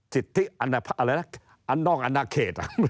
สิทธิอันด้องอันด้าเขต